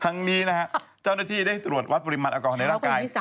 นี้นะฮะเจ้าหน้าที่ได้ตรวจวัดปริมาณแอลกอฮอลในร่างกาย